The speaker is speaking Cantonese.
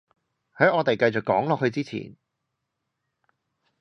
喺我哋繼續講落去之前